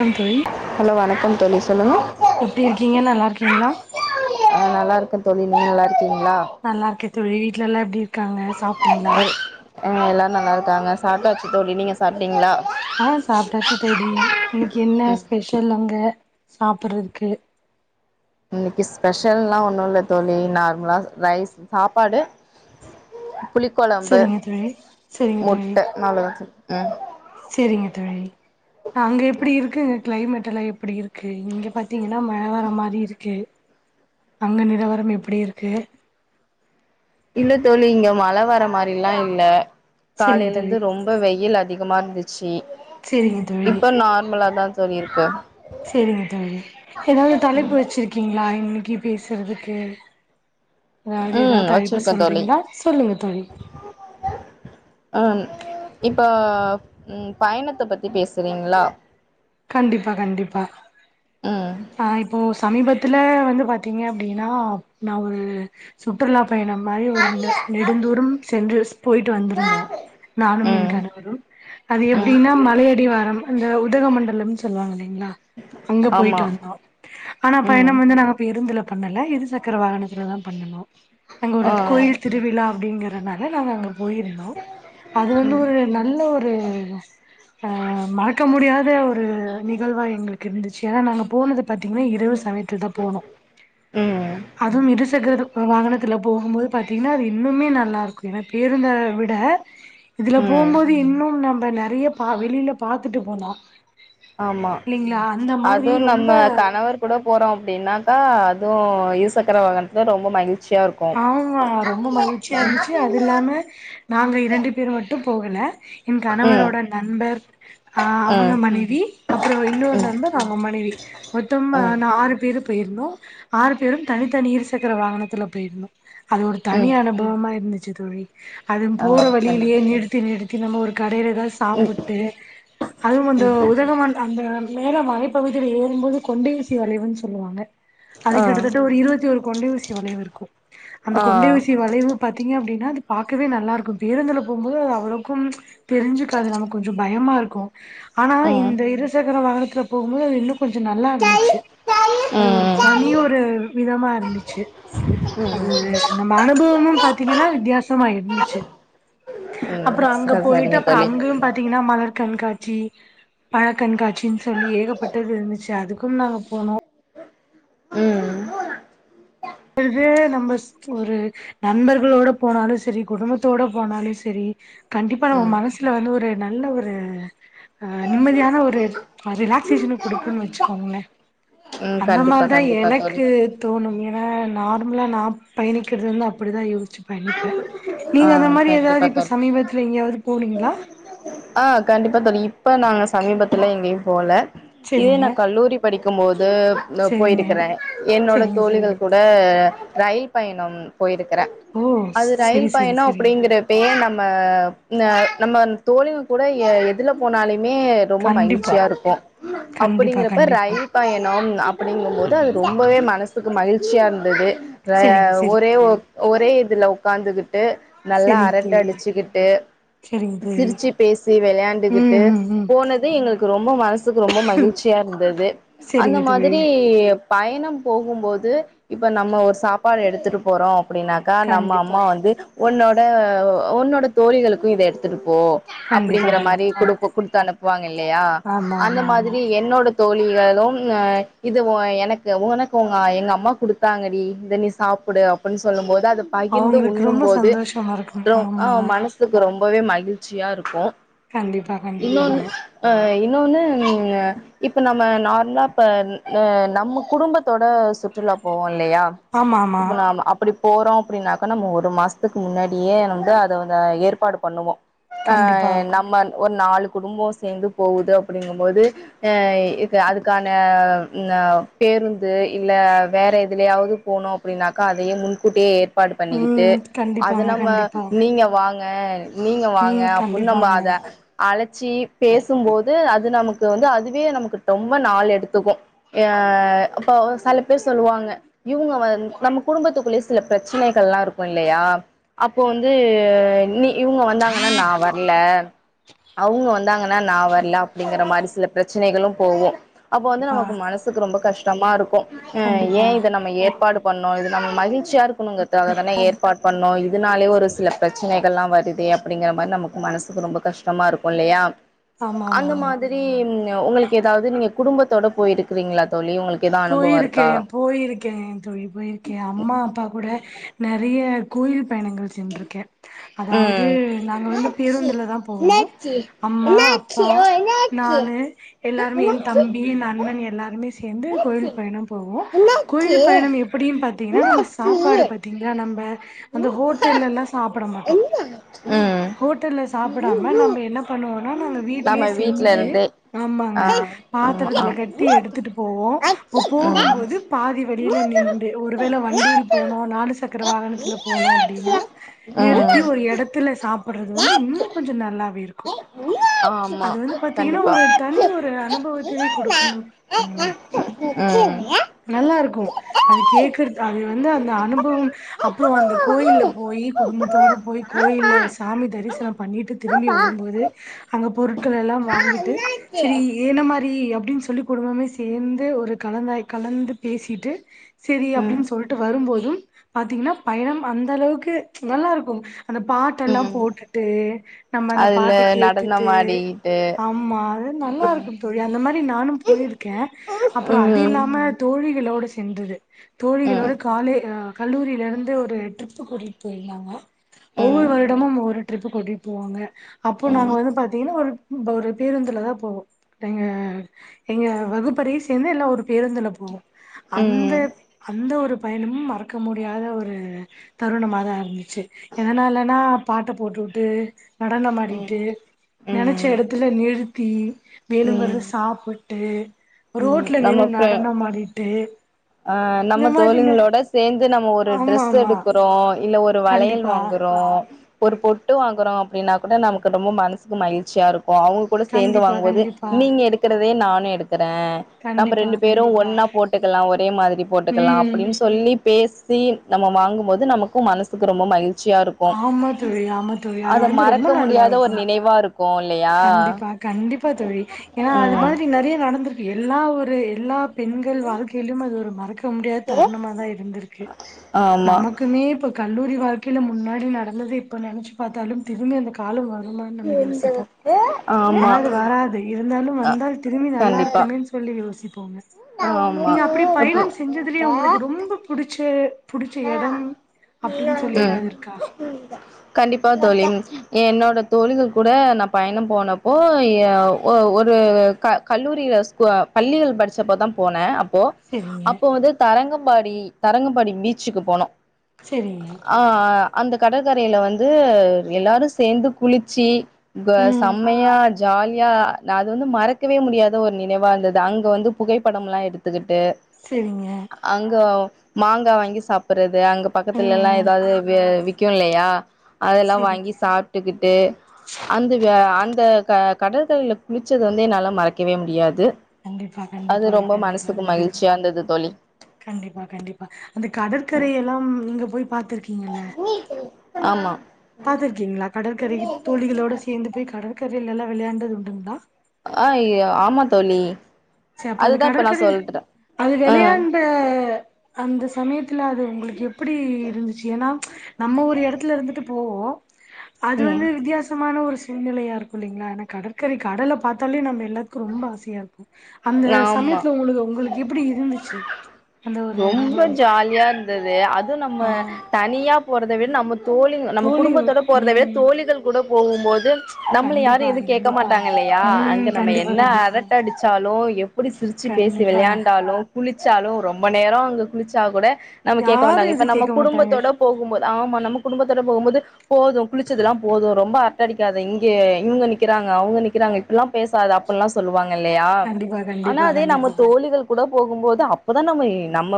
Come தோழி அ தோழி சொல்லுங்க எப்டி இருக்கீங்க நல்லா இருக்கீங்களா ஆ நல்லா இருக்க தோழி நீங் நல்லா இருக்கீங் நல்லா இருக்கு தோழி வீட்லலெல்லா எப்டி இரு ஆ எல்லார் நல்லா இருக் க்காங்க சாப்டாச்சு தோழி நீங்க சாப்ட்டிங்ளா ஆ சாப்ட்டாச்சு தோழி இன்னைக்கு என்ன ஸ்பெஷல் அங்க சாப்படறதுக்கு இன்னைக்கு ஸ்பெஷல்லா ஒன்னு இல்ல தோழி நார்மலா ரைஸ் சாப்பாடு புளி கொழம்பு செரிங்க தோழி செரிங்க தோழி முட்ட ம் செரிங்க தோழி அங்க எப்படி இருக்குங்க கிளைமேட்டலா எப்படி இருக்கு இங்க பாத்திங்கனா மழ வர மாரி இருக்கு அங்க நிலவரம் எப்படி இருக்கு இல்ல தோழி இங்க மழ வர மாரிலா இல்ல செரிங்க காலைல இருந்து தோழி ரொம்ப வெயில் அதிகமாருந்துச்சு செரிங்க தோழி இப்ப நார்மலாதா தோழி இருக்கு செரிங்க தோழி எதாது தலைப்பு வெச்சிருக்கிங்களா இன்னைக்கு பேசுறதுக்கு அதாது ம் எதாது ஐடா வச்சிருக்கே தோழி சொல்றிங்ளா சொல்லுங்க தோழி ஆன் இப்ப ம் பயணத்தப் பத்தி பேசுறீங்களா கண்டிப்பா கண்டிப்பா ம் ஆ இப்போ சமீபத் துல வந்து பாத்தீங்க அப்டின்னா நா ஒரு சுற்றுலா பயணம் மாரி ஒரு ம் ரெண்டு நெடுந்தூறம் சென்று போய்ட்டு வந்திருந்தோ நானும் என் ம் கணவரும் அது எப்டின்னா மலையடிவாரம் அந்த உதகமண்ட லம் சொல்லுவாங்கல்லி ங்ளா அங்க ஆமா போய்ட்டு வந்தோ ஆனா ம் பயணம் வந்து நாங்க பேருந்துல பண்ணல இருசக்கர வாகனத்துலதா பண்ணுனோ அங்க ஒரு ஆ கோயில் திருவிழா அப்டிங்கிறனால நாங்க அங்க போய்ருந்தோ அது வந்து ஒரு நல்ல ஒரு ஆ மறக்க முடியா த ஒ ரு நிகழ்வா எங்களுக்கு இருந்துச்சு ஏன்னா நாங்க போனது பாத்தீங்கனா இரவு சமயத்தில தா போனூ ம் அதுவு இருசக்கர வாகனத்துல போகும்போது பாத்தீங்கன்னா அது இன்னுமே நல்லா இருக்கு ஏனா பேருந்த விட இதுல ம் போம்போது இன்னும் நம்ம ப்பா நெறயா பா வெளில பாத்துட்டு போலா ஆமா இல்லைங்களா அந்த மாதிரி அது நம்ம ரொம்ப கணவர் கூட போறோ அப்டின்னாக்கா அதுவு இருசக்கர வாகனத்துல ரொம்ப மகிழ் ஆமா ரொம்ப மகிழ்ச்சியா இருந்துச்சு அது இல்லாம நாங்க இரண்டு பேர் மட்டு போகல என் ம் கணவரோட நண்பர் அஹ் அவுங்க ம் மனைவி அப்புறோ இன்னொரு ம் நண்பர் அவுங்க மனைவி மொத்தமா ம் நா ஆறு பேரு போயிருந்தோ ஆறு பேரும் தனித்தனி இருசக்கர வாகனத்துல போயிருந்தோ அது ஒரு தனி ம் அனுபவமா இருந்துச் ச்சு தோழி அதும் ஆ போற வழியிலயே கண்டிப்பா நிறுத்தி நிறுத்தி க்கு நம்ம ஒரு கடைல எதா ம் சாப்பிட்டு அதுவும் அந்த உதகமண்ட அந்த மேல மலைப்பகுதியில ஏறும்போது கொண்டைஊசி வளைவுனு சொல்லுவாங்க அது ஆ கிட்டத்தட்ட ஒரு இருவத்தி ஓர் கொண்டைஊசி வளைவு இருக் க்கு அந்த கொண்டை ஆ ஊசி வளைவு பாத்தீங்க அப்டின் ஏனா அது பாக்கவே நல்லா இருக்கு பேருந்துல போம்போது அவ்வளவுக்கும் ப்ச் தெரிஞ்சுக்காது நம்ம கொஞ்சோ பயமா இருக்கு ஆனா ம் இந்த இருசக்கர வாகன துல போகும்போது அது இன்னு கொஞ்சோ நல்லா இருந்துச்சு அது ஒரு தனி ம் ஒரு விதமா இருந்துச்சு ம் அது நம்ம அனுபவமும் பாத்தீங்கன்னா வித்தியாச ஆமா இருந்துச்சு ம் அப்புறோ அங்க சரி போயிட்டு சரிங்க அப்புறோ தோழி அங்கயும் பாத்தீங்கன்னா மலர் கண்காட் சி பழ கண்காட்சின்னு சொல்லி ஏகப்பட்டது இருந்துச்சு அதுக்கும் நாங்க போனோ ம் து நம்ம ஒரு நண்பர்களோட போனாலு சரி குடும்பத்தோட போனாலு சரி கண்டிப்பா நம்ம ம் மனசுல வந்து ஒரு நல்ல ஒரு அ நிம்மதியான ஒரு ரிலாக்சேஷன் குடுக்குனு வெச்சுக்கோங்களே ம் அந்த கண்டிப்பா மாரிதா கண்டிப்பா தோழி எனக்கு தோணுமே நார்மலா நா பயணிக்கிறது வந்து அப்படிதா யோசிச்சு பயணிப்ப நீங்க ஆ அந்த மாரி கண்டிப்பா எதாவது இப்ப தோழி சமீபத்துல எங்கயாவது போனீங்ளா இப்போ நாங்க சமீபத்தல எங்ககேயு போல இதே செரிங்க நா கல்லூரி படிக்கும் போது செரிங்க போயிருக்கிற என்னோட செரிங்க செரிங்க தோழிகள் கூட ரயில் பயணம் போயிருக் ஓ செரி செரி பயணம் செரி அப்படிங்கற பே நம் ஆ த நம்ம தோழிக கூட எதுல போனாலே மே ரொம்ப கண்டிப்பா மகிழ்ச்சியா இருக்கு கண்டிப்பா அப்படிங்கிறப்ப கண்டிப்பா ரயில் பயணம் அப்படிங்கபோது அது ரொம்பவே மனசுக்கு மகிழ்ச் சியா இருந்தது ஆ செரிங்க செரிங்க ஒரே ஒ தோழி ஒரே இதுல உட்காந்துகிட் டு நல்லா செரிங்க அரட்ட தோழி அடிச்சுக்கிட்டு செரிங்க தோழி சிரிச்சு பேசி ம் விளையாண்டுகிட்டு ம் ம் போனது எங்களுக்கு ரொம்ப மனசுக்கு ரொம்ப மகிழ்ச்சியா இருந்தது அந்த செரிங்க தோழி மாதிரி பயன் இன்னம் போகும்போது இப்ப நம்ம ஒரு சாப்பாடு எடுத்துட்டு போறோ அப்டினாக்கா நம்ம கண்டிப்பா அம்மா வந்து உன்னோட உன்னோட தோழிகளுக்கு இத எடுத்துட்டு ஓ கண்டிப்பா அப்டிங்கற மாரி கண்டிப்பா குடு குடுத்து அனுப்புவாங்க இல்லையா ஆமா அந்த ஆமா ஆமா மாதிரி என்னோடத் தோழிகளும் ஆ இது ஓ எனக்கு உனக்கு உங்க எங்கம்மா குடுத்தாங்கடி இத நீ சாப்டு அப்டின்னு சொல்லும் போது அத பகிர்ந்து அவங்களுக்கு உண்ணும் ரொம்ப போது சந்தோஷமா இருக்கும் து ரொ அ ஆமா மனசுக்கு ரொம்பவே மகிழ் ச்சியாருக்கு கண்டிப்பா கண்டிப்பாங்க இன்னொன்னு ஆ இன் இன்னொன்னு ம் ஆ இப்ப நம்ம நார்மலா இப்ப நம்ம குடும்பத்தோட சுற்றுலா போவோ இல்லையா ஆமா ஆமா இப்ப நாம அப்டிப் போறோ அப்டின்னாக்கா நம்ம ஒரு மாஸ் த்துக்கு முன்னாடியே அத வந்து அத வந் ஏற்பாடு பண்ணுவோ ஆ கண்டிப்பா நம்ம ஒரு நாலு குடும்போ சேந்து போகுது அப்டிங்கும்போது ஆ அதுக்கான ம் பேருந்து இல்ல வேற எதுலயாவது போணு அப்டின்னாக்கா அதையே முன்கூட்டியே ஏற் பாடு பண்ணிக்கிட்டு ம் அது கண்டிப்பாங்க நம்ம கண்டிப்பா நீங்க வா வாங்க நீங்க வாங்க ம் அப்பினு நம்ம கண்டிப்பாங்க அத அழ ச்சி பேசும்போது அது நமக்கு வந்து அதுவே நமக்கு ரொம்ப நாள் எடுத்துக்கு அ இப்ப சில பேர் சொல்லுவாங்க இவங்க வ நம்ம குடும்பத்துக்குள்ளயே சில பிரச்சனைகெல்லா இருக்கு இல்லயா அப்போ வந்து நீ இவுங்க வந்தாங்கன்னா நா வர்ல அவுங்க வந்தாங்கன்னா நா வர்ல அப்டிங்கற மாரி சில பிரச்சனைகளு போகு அப்போ வந்து கண்டிப்பா நமக்கு மனசுக்கு ரொம்ப கஷ்டமா இருக்கு ஏ கண்டிப்பா இத நம்ம ஏற்பாடு பண்ணோ னு இது நம்ம மகிழ்ச்சியா இருக் க்கணுங்குறதுக்காக தான ஏற்பாடு பண்ணோம் இ இதுனாலே ஒரு சில பிரச்சனை இதெல்லா வருதே அப்டிங்கிற மாரி நமக்கு மனசுக்கு ரொம்ப கஷ்டமா இருக்கு இல்லயா ஆமா அந்த ஆமாங்க மாதிரி உங்களுக்கு எதாவது நீங்க குடும்பத்தோட போயிருக்குறீங்களா தோழி உங்களுக் போயிருக்கே போயிருக்கே தோழி போயிருக்கே அம்மா அப்பா கூட நெறய கோயில் பயணங்கள் சென்றிருக்கே அதாவது ம் நாங்க வந்து பேருந்துல தா போவோ என்னாச்சு அம்மா என்னாச்சு அப்பா என்னாச்சு நானு எல்லாருமே என் தம்பி என் அண்ணன் எல்லாருமே சே சேர்ந்து கோயில் என்னாச்சு பயணம் போவோ என்னாச்சு கோயில் பயணம் எப்படியும் பாத்திங்கன்னா நம்ம என்னாச்சு சாப்பாடு பாத்திங்கன்னா நம்ம அந்த ஹோட்டல் எல்லா சாப் சாப்புட மாட்டோ என்னாச்சு ஹோட்டல்ல ம் சாப்புடாம நம்ப என்ன பண்ணுவோனா நாங்க வீட்லே நம்ம வீட்ல செஞ்சி இருந்தே ஆ ஆமாங்க ஆமா ஆ பாத்தரத்துல கட்டி எடுத்துட்டு போவோ இப்ப போகும்போது பாதி வழியில நிண்டு ஒருவேள வண்டியில் போனோ நாலு சக்கர வாகனத்துல போனோ அப்டின்னா நிறுத்தி ஒரு எடத்துல சாப்புட்றது வந்து இன்னு கொஞ்ச நல்லாவே இருக் கு ம் ம் ஆமா அது வந்து பாத்தீங்கன்னா கண்டிப்பா ஒரு தனி ஒரு அனுபவத்தையே கொடுக்குனு தம்பி நல்லாருக்கு அது ம் கேக்குறத் அது வந்து அந்த ம் அனுபவம் அப்றோ அந்த கோயில்ல போயி குடும்பத்தோட போயி கோயில்ல சாமி தரிசனம் பண்ணிட்டு திரும்பி வரும்போது அங்க பொருட் ட்களல்லா வாங்கிட்டு சரி ஏன்ன மாரி அப்டின் சொல்லி குடும்பமே சேர்ந் து ஒரு கலந்தாய் கலந்து பேசிட்டு செரி அப்டின் சொல்ட்டு வரும்போதும் பாத்தீங்ன்னா பயணம் அந்த அளவுக்கு நல்லா இருக்கும் அந்த பாட்டெல்லா ம் போட்டுட்டு நம்ப அந்த அதுல பாட்ட கேட்டுட்டு நடனம் ஆடிக்கிட்டு ஆம்மா அது நல்லா இருக்கு தோழி அந்த மாரி நானு போயிருக்கே அப்றோ அது ம் இல்லாம தோ ழிகளோடு சென்றது ம் தோழிகளோடு காலே அ கல்லூரியிலருந்து ஒரு ட்ரிப்பு கூட்டிட்டு போயிர்ந்தாங்க ஒவ்வொரு ம் ம் வருடமும் ஒரு ட்ரிப் கூட்டிட் போவாங்க அப்போ நாங்க ம் வந்து பாத்தீங்கன்னா ஒரு ப் பேருந்துல தா போவோம் எங்க எங்க வகுப்பறிச் சேந்து எல்லா ஒரு பேருந்துல போவோ அந்த ம் அந்த ஒரு பயணமும் மறக்க முடியாத ஒரு தருணமாதா இருந்துச்சு எதனாலன பாட்ட போட்டுவுட்டு நடனமாடிட்டு நெனச்ச ம் இடத்துல நிறு பீ ம் வேனுங்கறத ம் சாப்புட்டு ரோட்ல நின்னு நடன மாடிட்டு அ நம்ம தோழிகளோட சேந்து நம்ம ஒரு ஆமா ட்ரஸ் ஆமா எடுக்குறோ இல்ல ஓர் ஒரு வளையல் கண்டிப்பா வாங்குறோ ஒரு பொட்டு வாங்குறோ அப்டின்னா கூட நமக்கு ரொம்ப மனசுக்கு மகிழ்ச்சியாருக் ஓ அவங்க கூட சேந்து கண்டிப்பா வாங்கம்போது கண்டிப்பா நீங்க எடுக்கறது நானே எடுத் க்ர நம்ம கண்டிப்பா ரெண்டு பேரும் கண்டிப்பா ஒன்னா போட்டுக்கலா ஒரே மாதிரி போட்டுக்கலா ம் அப்படின்னு சொல்லி பேச சி நம்ம வாங்கும்போது நமக்கும் மனசுக்கு ரொம்ப மகிழ் ஆமா தோழி ஆமா தோழி அது அத வந்து ரொம்ப மறக்க நல்லா முடியாத ஒரு இருக்கு நினைவா இருக்கு இல்லையா கண்டிப்பா கண்டிப்பா தோழி ஏன்னா அது ம் மாதிரி நரிய நடந்திருக்கு எல்லா ஒரு எல்லா பெண்கள் வாழ்க்கையிலும் அது ஒரு மறக்க முடியாத தருணமாாதா இருந்திருக்கு ஆமா நமக்குமே இப்ப கல்லூரி வாழ்க்கைய்லெ முன்னாடி நடந்தது இப்ப நினைச்சு பாத்தாலும் திரும்பி அந்த காலம் வ நம்ம யோசிப்போ ஆனா அது ஆமா வராது இருந்தாலும் அ வந்தால் திரும்பி நல்லா கண்டிப்பா இருக்குமேன்னு சொல்லி யோசிப்போ போங்க ஆமா நீங்க அப்படி இப்போ பயணம் செஞ்சதுலயே உங்களுக்கு ரொம்ப புடிச்ச புடிச்ச இடம் ம் கண்டிப்பா தோழி என்னோட தோழிகள் கூட நா பயணம் போனப்போ ஒரு கல்லூரியில பள்ளிகள் படிச்சப்போதா போன போ சரிங்க அப்போ வந்து தரங்கம் பாடி தரங்க பாடி பி ச்சுக்கு போனோ சரிங்க ஆ அந்த கடற்கரையில வந்து எல்லாரு சேந்து குளிச்சு ங்கோ ம் செம்மையா [unintelligible] ஜாலியா நா அது வந்து மறக்கவே முடியாத ஒரு நினைவாந்தது அங்க வந்து புகைப்படம் எல்லா எடுத்துக்கிட் டு சரிங்க அங்க மாங்கா வாங்கி ஸ் சாப்பறத் இது அங்க பக்கத்துல எல்லா ம். ஏதாவது வே விக் கியுன்லையா அதெல்லா வாங்கி செரிங்க சாப்ட்டுக்கிட்டு அந்து விய அந்த க கடற்கரையில் குளிச்சது வந்து என்னால மறக்கவே முடியாது கண்டிப்பா அது கண்டிப்பாக ரொம்ப மனசுக்கு கண்டிப்பாக மகிழ்ச்சியா இருந்தது தோழி கண்டிப்பா கண்டிப்பா அந்தக் கடற்கரைைய எல்லா நீங்க போய் பாத்திருக்க ங்களல்ல ஆமா பாத்தருக்கீங்களா கடற்கரை தோழிகளோடு சேந்து போய் கடற்கரை [unintelligible] விளையாண்டது உண்டுங்களா ஆய ஆமா தோழி ச அப்ப அந்த அதுதா இப்ப நா கடற்கரையில சொல்றே அது ம் வெளையாண்ட அந்தஸ் சமயத்துல அது உங்களுக்கு எப்டி இருந்துச்சு ஏன்னா ம்ச் நம்ம ஒரு இடத்துல இருந்துட்டுப் போ அது ம் வந்து வித்தியாசமான ஒரு ஸ் சூழ்நிலையாருக்கு இல்லைங்களா ஏன்னா கடற்கரை கடல பாத்தாலே நம்ம எல்லாத்துக்கு ரொம்ப ஆசையா இருக்கு அந்த ஆமா சமயத்துல உங்களுக்கு உங்களுக்கு எப்டி இருந்துச்சு அந்த ஒரு அனுபவம் இது நம்ம ஆ தனியாப் போறத விட நமுத் தோழிங்க நம்ம தோழிகளோட குடும்பத்தோட போறத விட ம் தோழிகள் கூடப் போகும்போது நம்மள கண்டிப்பா யாரு எது கேட்க கண்டிப்பா மாட்டாங்க இல்லையா அங்க ம் நம்ம கண்டிப்பா என்ன கண்டிப்பா அரட்ட அடிச் சாலோ எப் எப்டி சிரிச்சு பேசி கண்டிப்பா வெளையாண்டாலு குளிச் ச்சாலு ரொம்ப நேரோ அங்க குளிச்சா கூட நம்ம கேக்க யாரு மாட்டாங்க எது இப்ப நம்ம கேட்க மாட்டாங்க குடும்பத்தோட போகும்போது ஆமா நம்ம குடும்பத்தோ [unintelligible] போது போது குளிச்சதெல்லா போது ரொம்ப அர் ட்டடிக்காது இங்கே இவங்க நிக்கிறாங்க அவங்க நிக்கிறாங்க இப்ல்லா பேசாத அப்புல்லா சொல்லுவாங்கள் இல்லையா கண்டிப்பா ஆனா கண்டிப்பா அதே நம்ம கண்டிப்பா தோலிகள் கூட போகும்போது அப்பதா நம்ம இ நம்ம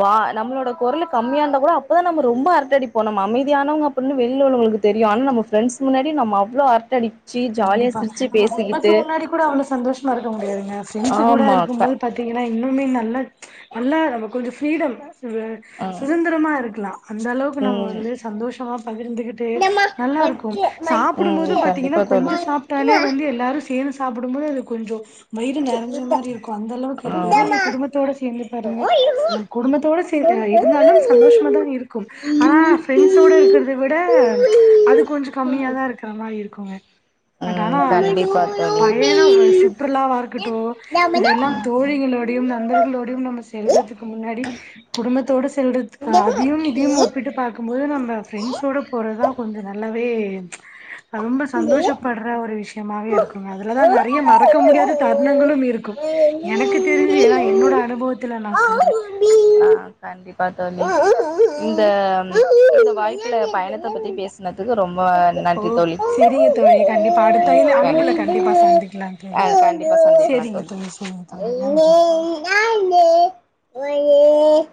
வா நம்மளோட குரலு கம்மியா இருந்தா கூட அப்தா நம்ம ரொம்ப அரட்ட அடிப்போ நம்ம அமைதியானவங்க அப்டின்னு வெளிய உள்ளவங்களுக்கு தெரியு ஆனா நம்ம பிரெண்ட்ஸ் முன்னாடி அவ்ளோ அரட்ட அடிப்போ கண்டிப்பா நம்ம குடும்பத்து முன்னாடி கூட அவ்ளோ சந்தோஷம் மறக்க முடியாதுங்க பிரண்ட்ஸ் கூட ஆமா க இருக்கும்போது பாத்தீங்கன் இன்னுமே நல்லா நல்லா நம்ம கொஞ்சம் ஃப்ரீடம் வே ஆ சுதந்திரமா இருக்கலா அந்த அளவுக்கு நம்ம ம் வந்த சந்தோசமா பகிர்ந்துகிட்டு நல்லா இருக்கும் சாப்பிடும் போதும் ம் பாத்தீங்கன்னா கண்டிப்பா கொஞ்சோ தோழி சாப்டாலே வந்து எல்லாரு சேர்ந்து சாப்புடும் போது அது கொஞ்ஜோ வயிறு நெறஞ்ச மாரி இருக்கூ அந்த அளவுக்கு இருக்கூ இதே நீங்க குடும்பத்தோட சேர்ந்து பாருங்க குடும்பத்தோட சேர்ந்து இருந்தாலும் சந்தோசமா தா இருக்கும் ஆனா பிரண்ட்ஸோட இருக்கிறத விட அது கொஞ்ச ஆமா கம்மியா தா இருக்கற மாரி இருக் [unintelligible] பட் ஆனா ம் ச கண்டிப்பா தோழி பயண சுற்றுலாவா இருக்கட்டு இதெல்லா தோழிகளோடையும் நண்பர்களோடையும் நம்ம செல்றதுக்கு முன்னாடி குடும்பத் தொடுஸ் தில்ரித் அதியும் இதியும் ஒப்பிட்டு பாக்கும்போது நம்ப ப்ரெண்ஸ் ஸோட போறதுதா கொஞ்ச நல்ல [unintelligible] ரொம்ப சந்தோஷப் ஒரு விஷயமாவே இருக்குங்க அதுல தா நெறைய மறக்க முடியாத தருணங்களும் இருக்கும் எனக்கு தெரிஞ்சு ஏன்னா என்னோட அனுபவத்துல நா ஆ சொல்றே கண்டிப்பா தோழி இந்த வாய்ப்புல பயணத்த பத்தி பேசனதுக்கு ரொம் வ ஓ நன்றி தோலி செரிங்க தோழி கண்டிப்பா அடுத்த இழு அழைப்புல நன்றி கண்டிப்பா சந்திக்கலாம் ஆ தோழி கண்டிப்பா ஆ சந்திக்கலா செரிங்க தோலி தோழி செரிங்க தோழி நன்றி ஏ